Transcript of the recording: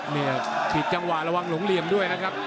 เนี่ยฉีดจังหวะระวังหลงเหลี่ยมด้วยนะครับ